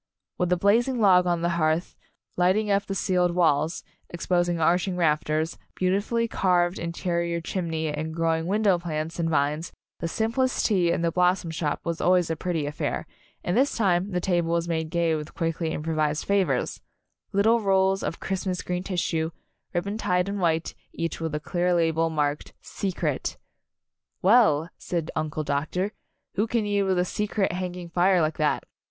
With a blazing log on the hearth, light ing up the ceiled walls, exposed arching rafters, beautifully carved interior chim ney and growing window plants and vines, the simplest tea in the Blossom Shop was always a pretty affair, and this time the table was made gay with quickly improvised favors: little rolls of Christ mas green tissue, ribbon tied in white, 14 Anne's Wedding each with a clear label marked "Secret." "Well," said Uncle Doctor, "who can eat with a secret hanging fire like that?"